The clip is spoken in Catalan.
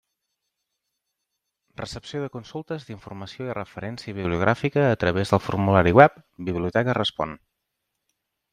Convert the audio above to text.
Recepció de consultes d'informació i referència bibliogràfica a través del formulari web «Biblioteca respon».